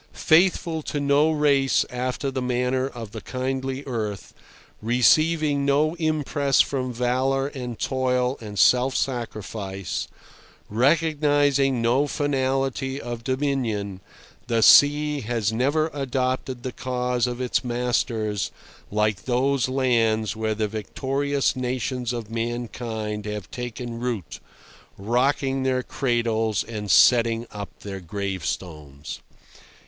Faithful to no race after the manner of the kindly earth, receiving no impress from valour and toil and self sacrifice, recognising no finality of dominion, the sea has never adopted the cause of its masters like those lands where the victorious nations of mankind have taken root, rocking their cradles and setting up their gravestones.